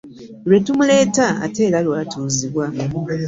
Lwe tumuleeta ate era lw'atuuzibwa.